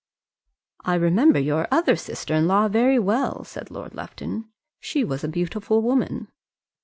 "I remember your other sister in law very well," said Lord Lufton. "She was a beautiful woman."